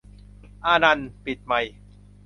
"อานันท์" ปิดไมค์